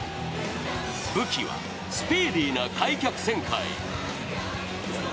武器はスピーディーな開脚旋回。